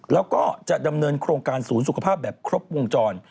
แล้วก็จะดำเนินโครงการศูนย์สุขภาพแบบครบวงจร